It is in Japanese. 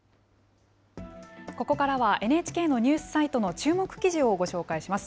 ここからはＮＨＫのニュースサイトの注目記事をご紹介します。